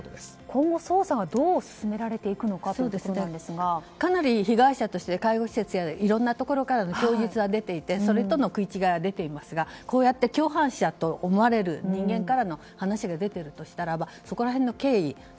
今後、捜査はどう進められていくのか被害者として介護施設からいろんなところから供述が出ていてそれとの食い違いが出てきていますがこうやって共犯者と思われる人間からの話が出ているとしたらその辺りの経緯